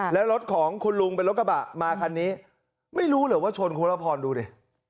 แล้วรถของคุณลุงเป็นรถกระบะมาคันนี้ไม่รู้เหรอว่าชนคุณละพรดูดิ